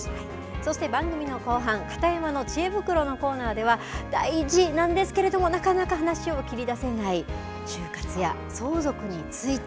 そして番組の後半、片山のちえ袋のコーナーでは、大事なんですけれども、なかなか話を切り出せない終活や、相続について。